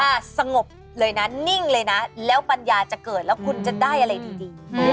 สงบเลยนะนิ่งเลยนะแล้วปัญญาจะเกิดแล้วคุณจะได้อะไรดี